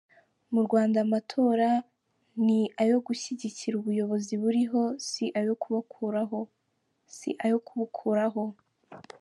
Mu Rwanda amatora ni ayo gushigikira ubuyobozi buriho si ayo kubukuraho!